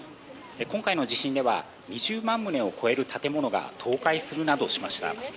今回の地震では２０万棟を超える建物が倒壊するなどしました。